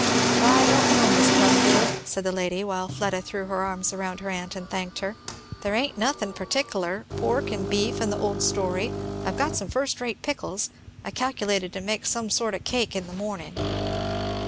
"Why I don't know, Mis' Plumfield," said the lady, while Fleda threw her arms round her aunt and thanked her, "there ain't nothin' particler pork and beef and the old story. I've got some first rate pickles. I calculated to make some sort o' cake in the morning."